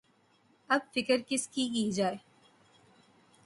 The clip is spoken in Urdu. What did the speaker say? اب فکر کس کی‘ کی جائے؟